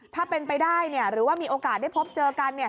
ถ้าเป็นไปได้หรือว่ามีโอกาสได้พบเจอกัน